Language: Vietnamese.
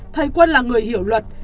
thầy quân là người hiểu luật